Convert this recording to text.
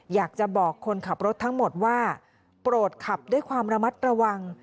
อยากจะบอกคนขับรถทั้งหมดว่าโปรดขับด้วยความระมัดระวัง